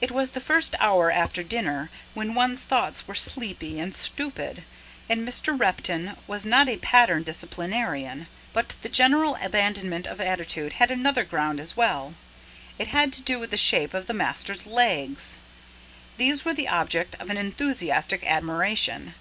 It was the first hour after dinner, when one's thoughts were sleepy and stupid, and Mr. Repton was not a pattern disciplinarian; but the general abandonment of attitude had another ground as well. It had to do with the shape of the master's legs. These were the object of an enthusiastic admiration.